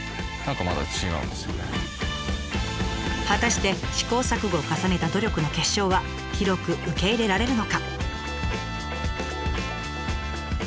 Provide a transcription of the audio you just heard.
果たして試行錯誤を重ねた努力の結晶は広く受け入れられるのか？